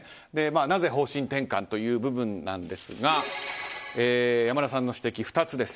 なぜ、方針転換という部分なんですが山田さんの指摘、２つです。